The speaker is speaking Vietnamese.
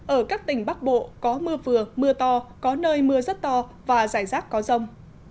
ở các tỉnh bắc bộ có mưa vừa mưa to có nơi mưa rất to và rải rác có rông